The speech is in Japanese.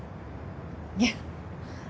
いや。